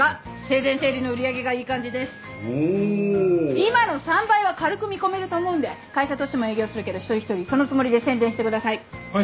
今の３倍は軽く見込めると思うんで会社としても営業するけど一人一人そのつもりで宣伝してください。